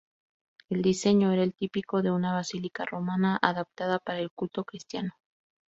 El diseño era el típico de una basílica romana, adaptada para el culto cristiano.